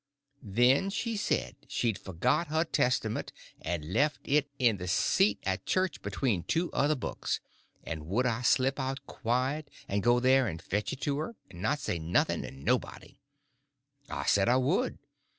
Then she said she'd forgot her Testament, and left it in the seat at church between two other books, and would I slip out quiet and go there and fetch it to her, and not say nothing to nobody. I said I would.